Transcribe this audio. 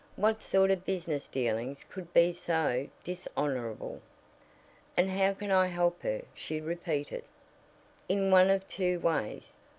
What sort of business dealings could be so dishonorable? "And how can I help her?" she repeated. "In one of two ways.